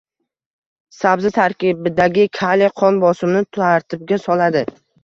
Sabzi tarkibidagi kaliy qon bosimini tartibga soladi